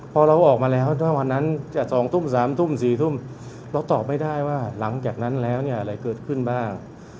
พอเราออกมาแล้วถ้าวันนั้นจะ๒ทุ่ม๓ทุ่ม๔ทุ่มเราตอบไม่ได้ว่าหลังจากนั้นแล้วเนี่ยอะไรเกิดขึ้นบ้าง